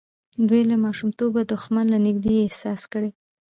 دوی له ماشومتوبه دښمن له نږدې احساس کړی.